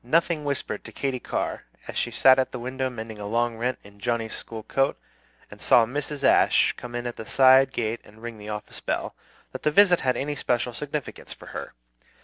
Nothing whispered to Katy Carr, as she sat at the window mending a long rent in Johnnie's school coat, and saw Mrs. Ashe come in at the side gate and ring the office bell, that the visit had any special significance for her.